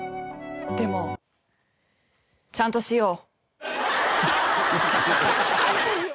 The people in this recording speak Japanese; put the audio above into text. でもちゃんとしよう。